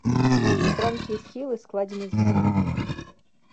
Стромкія схілы складзены з гранітаў.